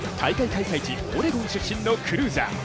開催地オレゴン出身のクルーザー。